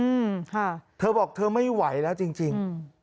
อืมค่ะเธอบอกเธอไม่ไหวแล้วจริงจริงอืม